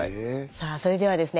さあそれではですね